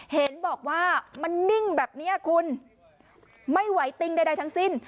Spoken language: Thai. เห็นบอกว่ามันนิ่งแบบนี้คุณไม่ไหวติ้งใดทั้งสิ้น